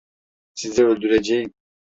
Sizi öldüreceğim!